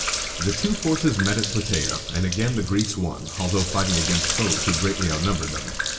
The two forces met at Pla tæ´a, and again the Greeks won, although fighting against foes who greatly outnumbered them.